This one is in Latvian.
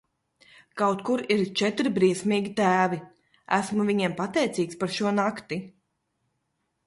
Kaut kur ir četri briesmīgi tēvi, esmu viņiem pateicīgs par šo nakti.